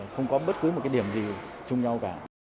không có bất cứ một cái điểm gì chung nhau cả